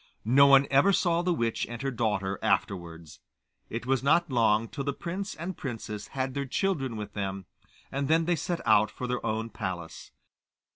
No one ever saw the witch and her daughter afterwards. It was not long till the prince and princess had their children with them, and then they set out for their own palace.